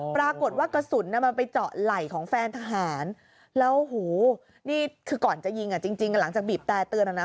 ปรากฏว่ากระสุนมันไปเจาะไหล่ของแฟนทหารแล้วหูนี่คือก่อนจะยิงอ่ะจริงหลังจากบีบแต่เตือนนะนะ